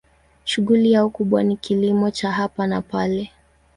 Shughuli yao kubwa ni kilimo cha hapa na pale.